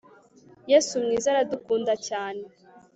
Yesu mwiza aradukunda cyane